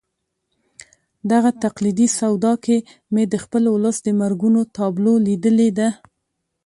دغه تقلیدي سودا کې مې د خپل ولس د مرګونو تابلو لیدلې ده.